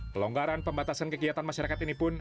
pelonggaran pembatasan kegiatan masyarakat ini pun